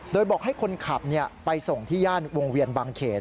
โดยบอกให้คนขับไปส่งที่ย่านวงเวียนบางเขน